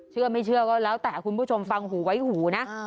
เชื่อไม่เชื่อก็แล้วแต่คุณผู้ชมฟังหูไว้หูนะ